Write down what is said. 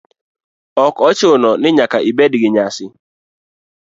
Ok ochuno ni nyaka ibed gi nyasi.